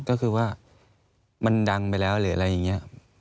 ก็คือว่ามันดังไปแล้วหรืออะไรอย่างนี้